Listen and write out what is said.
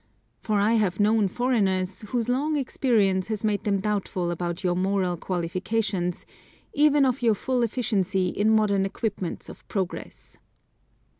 For I have known foreigners, whose long experience has made them doubtful about your moral qualifications, even of your full efficiency in modern equipments of progress.